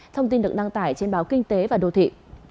thông tin được đăng tải trên báo kinh tế và đô thị